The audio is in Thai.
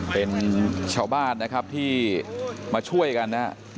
เป็นชาวบ้านนะครับที่มาช่วยกันนะครับ